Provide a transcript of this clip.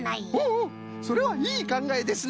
おおそれはいいかんがえですな！